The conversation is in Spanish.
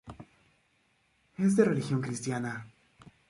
Es de religión cristiana.